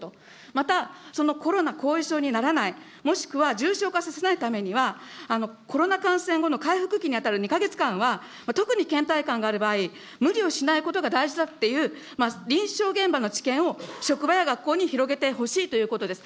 また、そのコロナ後遺症にならない、もしくは重症化させないためには、コロナ感染後の回復期に当たる２か月間は、特にけん怠感がある場合、無理をしないことが大事だっていう、臨床現場の知見を職場や学校に広げてほしいということです。